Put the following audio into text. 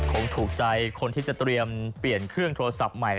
คงถูกใจคนที่จะเตรียมเปลี่ยนเครื่องโทรศัพท์ใหม่